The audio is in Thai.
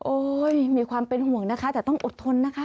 มีความเป็นห่วงนะคะแต่ต้องอดทนนะคะ